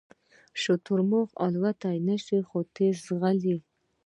شترمرغ الوتلی نشي خو تېز ځغلي